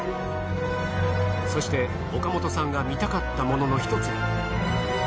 そして岡本さんが見たかったものの１つが。